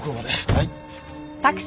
はい。